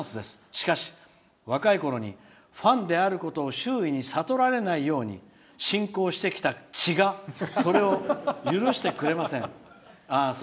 しかし、若いころにファンであることを周囲にばれないようにしてきた血がそれを許してくれません」。